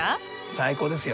最高ですよ。